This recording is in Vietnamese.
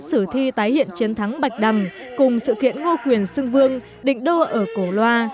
sử thi tái hiện chiến thắng bạch đầm cùng sự kiện ngô quyền sưng vương định đô ở cổ loa